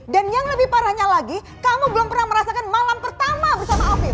dan yang lebih parahnya lagi kamu belum pernah merasakan malam pertama bersama afif